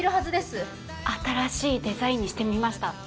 新しいデザインにしてみました。